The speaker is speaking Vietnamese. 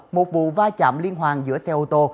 một vụ va chạm liên hoàn giữa xe ô tô